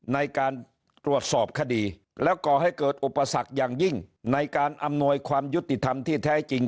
ในการตรวจสอบคดีแล้วก่อให้เกิดอุปสรรคอย่างยิ่งในการอำนวยความยุติธรรมที่แท้จริง